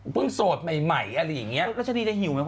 เพิ่งโสดใหม่หรืออย่างงี้